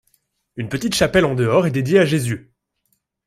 Une petite chapelle en dehors est dédiée à Jésus.